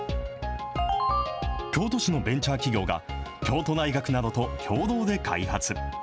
京都市のベンチャー企業が、京都大学などと共同で開発。